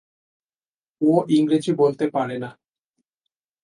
ও ইংরেজি বলতে পারে না।